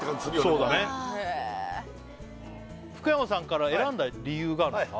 そうだねへえ福山さんから選んだ理由があるんですか？